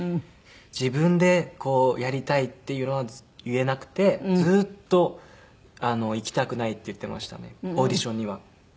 自分でやりたいっていうのは言えなくてずっと行きたくないって言ってましたねオーディションには。